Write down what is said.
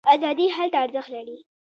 ازادي هلته ارزښت لري.